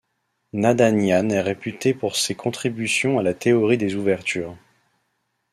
Nadanian est réputé pour ses contributions à la théorie des ouvertures.